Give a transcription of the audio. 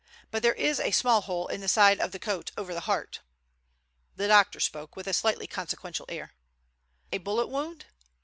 But there is a small hole in the side of the coat over the heart." The doctor spoke with a slightly consequential air. "A bullet wound?"